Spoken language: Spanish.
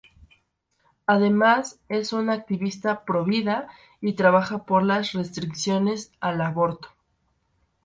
Además, es una activista pro-vida y trabaja por las restricciones al aborto.